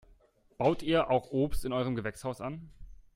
Baut ihr auch Obst in eurem Gewächshaus an?